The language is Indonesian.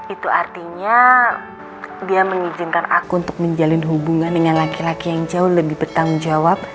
itu artinya dia mengizinkan aku untuk menjalin hubungan dengan laki laki yang jauh lebih bertanggung jawab